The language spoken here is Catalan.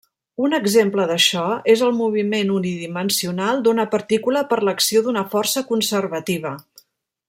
Un exemple d'això és el moviment unidimensional d'una partícula per l'acció d'una força conservativa.